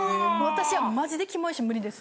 私はマジでキモいし無理です。